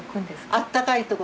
あったかい所？